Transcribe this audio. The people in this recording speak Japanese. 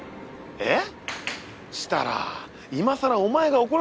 えっ？